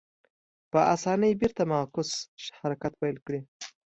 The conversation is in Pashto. په اسانۍ بېرته معکوس حرکت پیل کړي.